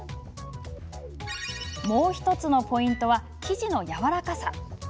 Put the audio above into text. もう１つのポイントは生地のやわらかさ。